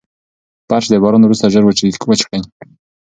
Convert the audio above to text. فرش د باران وروسته ژر وچ کړئ.